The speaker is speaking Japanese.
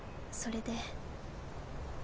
それで。